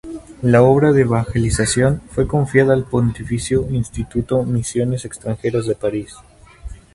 La obra de evangelización fue confiada al Pontificio Instituto Misiones Extranjeras de París.